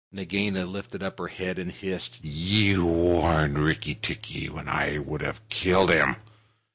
Nagaina lifted up her head and hissed, "You warned Rikki tikki when I would have killed him.